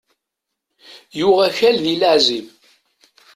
Yuɣ akal di laεzib